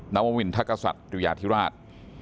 นววินทกษัตริยาธิราช